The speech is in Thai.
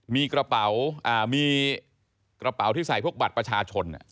มีกระเป๋าที่ใส่พวกบัตรประชาชน